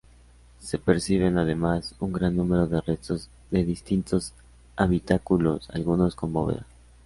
Se perciben, además, un gran número de restos de distintos habitáculos, algunos con bóveda.